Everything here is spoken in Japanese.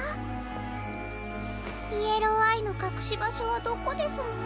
イエローアイのかくしばしょはどこですの？